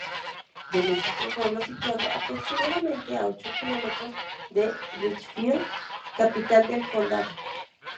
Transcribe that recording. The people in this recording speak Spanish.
Venice es un pueblo situado aproximadamente a ocho kilómetros de Richfield, capital del condado.